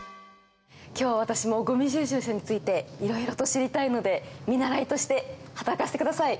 今日私もごみ収集車についていろいろと知りたいので見習いとして働かせてください。